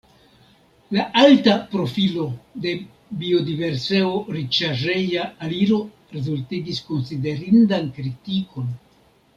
La alta profilo de biodiverseo-riĉaĵeja aliro rezultigis konsiderindan kritikon.